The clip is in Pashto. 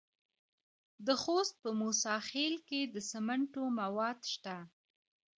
د خوست په موسی خیل کې د سمنټو مواد شته.